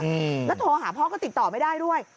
อืมแล้วโทรหาพ่อก็ติดต่อไม่ได้ด้วย